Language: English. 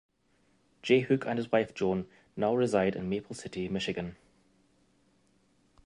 Jay Hook and his wife Joan now reside in Maple City, Michigan.